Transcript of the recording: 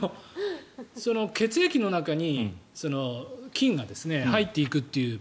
血液の中に菌が入っていくという。